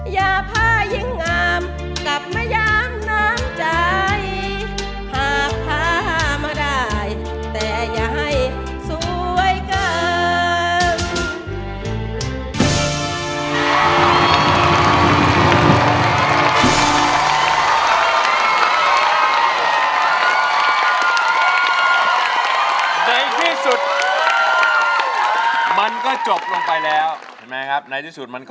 อย่าพายิ่งงามกลับมาย้ำน้ำใจ